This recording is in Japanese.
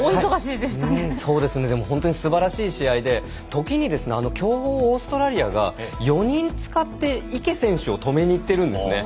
でも本当にすばらしい試合で瞬間に強豪オーストラリアが４人使って池選手を止めにいっているんです。